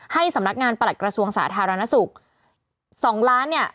ให้สำนักงานประหลัดกระทรวงสาธารณสุขสองล้านเนี่ย